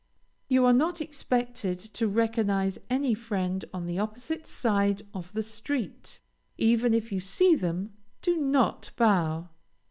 You are not expected to recognize any friend on the opposite side of the street. Even if you see them, do not bow.